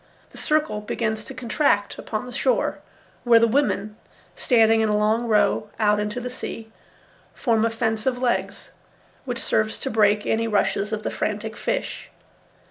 The circle begins to contract upon the shore, where the women, standing in a long row out into the sea, form a fence of legs, which serves to break any rushes of the frantic fish.